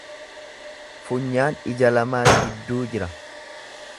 Funyaan ija lamaan gidduu jira.